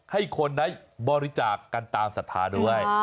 ให้คนได้บริจาคกันตามศรัทธาด้วย